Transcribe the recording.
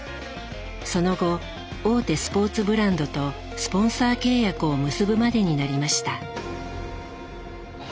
その後大手スポーツブランドとスポンサー契約を結ぶまでになりました。